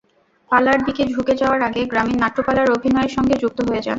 পালার দিকে ঝুঁকে যাওয়ার আগে গ্রামীণ নাট্যপালার অভিনয়ের সঙ্গে যুক্ত হয়ে যান।